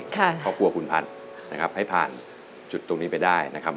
ครอบครัวคุณพัฒน์นะครับให้ผ่านจุดตรงนี้ไปได้นะครับ